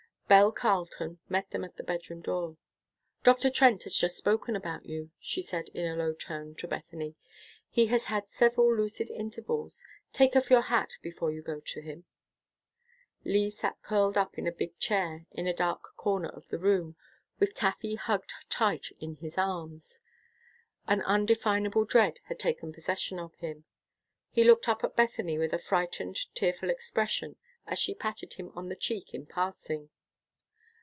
Belle Carleton met them at the bedroom door. "Dr. Trent has just spoken about you," she said in a low tone to Bethany. "He has had several lucid intervals. Take off your hat before you go to him." Lee sat curled up in a big chair in a dark corner of the room, with Taffy hugged tight in his arms. An undefinable dread had taken possession of him. He looked up at Bethany, with a frightened, tearful expression, as she patted him on the cheek in passing.